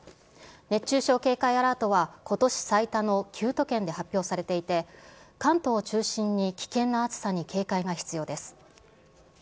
熱中症警戒アラートは、ことし最多の９都県で発表されていて、関東を中心に危険な暑さに警戒が必要です。